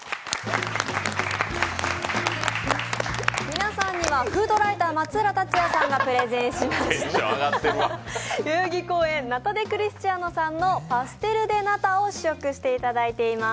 皆さんには、フードライター・松浦達也さんがプレゼンしました、代々木公園、ナタ・デ・クリスチアノさんのパステル・デ・ナタを試食していただいています。